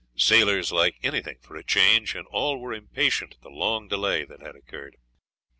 Sailors like anything for a change, and all were impatient at the long delay that had occurred.